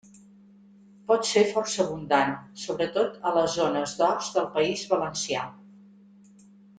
Pot ser força abundant, sobretot a les zones d'horts del País Valencià.